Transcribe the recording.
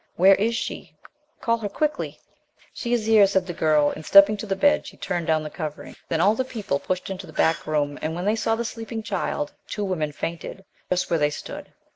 Where is she ? Call her 25 THE LOST DRYAD quickly!" "She is here," said the girl, and stepping to the bed, she turned down the covering. Then all the people pushed into the back room and when they saw the sleeping child, two women fainted, just where they stood.